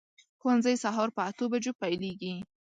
ښوونځی سهار په اتو بجو پیلېږي.